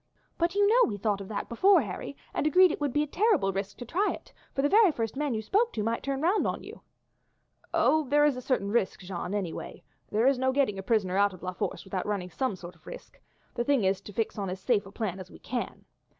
"But you know we thought of that before, Harry, and agreed it would be a terrible risk to try it, for the very first man you spoke to might turn round on you." "Of course there is a certain risk, Jeanne, anyway. There is no getting a prisoner out of La Force without running some sort of risk; the thing is to fix on as safe a plan as we can.